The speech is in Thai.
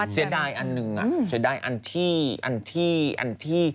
เสียดายอันหนึ่งเสียดายอันที่อันที่อันที่